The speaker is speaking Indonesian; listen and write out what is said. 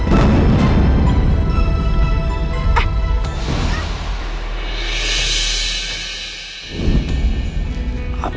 jadi apa esok